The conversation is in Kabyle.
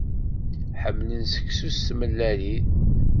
Ḥemmlen seksu s tmellalin.